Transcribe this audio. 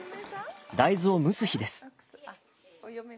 大豆を蒸す日です。